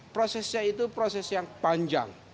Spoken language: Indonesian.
prosesnya itu proses yang panjang